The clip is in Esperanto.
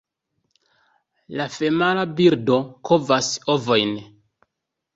La femala birdo kovas ovojn.